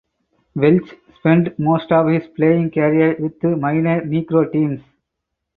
Welch spent most of his playing career with minor Negro teams.